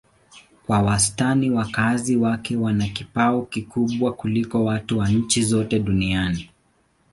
Kwa wastani wakazi wake wana kipato kikubwa kuliko watu wa nchi zote duniani.